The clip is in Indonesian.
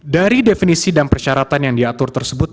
dari definisi dan persyaratan yang diatur tersebut